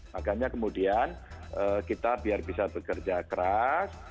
makanya kemudian kita biar bisa bekerja keras